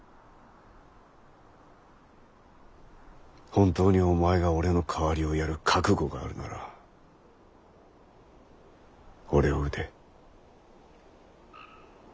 本当にお前が俺の代わりをやる覚悟があるなら俺を討て。